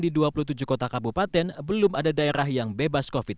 di dua puluh tujuh kota kabupaten belum ada daerah yang bebas covid sembilan belas